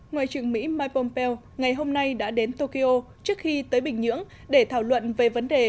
ngoại trưởng mỹ mike pompeo ngày hôm nay đã đến tokyo trước khi tới bình nhưỡng để thảo luận về vấn đề